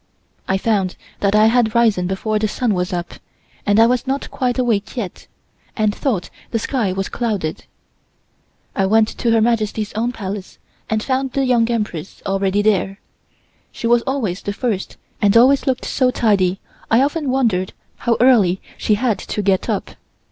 I found that I had risen before the sun was up, and I was not quite awake yet, and thought the sky was clouded. I went to Her Majesty's own Palace and found the Young Empress already there. She was always the first and always looked so tidy I often wondered how early she had to get up.